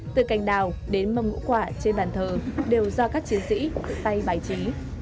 từ canh đào đến mâm ngũ quả trên bàn thờ đều do các chiến sĩ tự tay bài trí